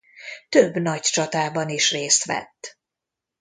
Több nagy csatában is részt vett.